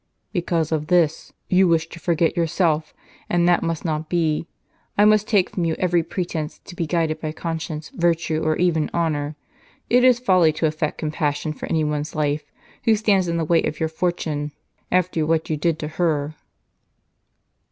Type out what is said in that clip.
"" Because of this : you wish to forget yourself, and that must not be. I must take from you every pretence to be guided by conscience, virtue, or even honor. It is folly to affect compassion for any one's life, who stands in the way of your fortune, after what you did to /?er."